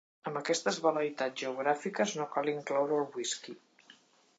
Amb aquestes vel·leitats geogràfiques no cal incloure el whisky.